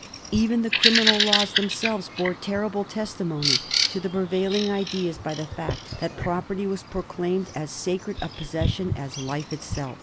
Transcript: Even the criminal laws themselves bore terrible testimony to the prevailing ideas, by the fact that property was proclaimed as sacred a possession as life itself.